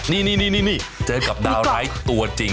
นี่เจอกับดาวร้ายตัวจริง